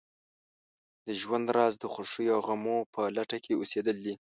د ژوند راز د خوښیو او غمو په لټه کې اوسېدل دي.